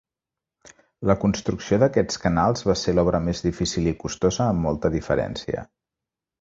La construcció d'aquests canals va ser l'obra més difícil i costosa amb molta diferència.